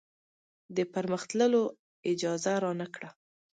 د پرمخ تللو اجازه رانه کړه.